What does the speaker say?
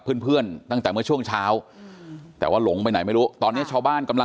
ปกติพี่สาวเราเนี่ยครับเป็นคนเชี่ยวชาญในเส้นทางป่าทางนี้อยู่แล้วหรือเปล่าครับ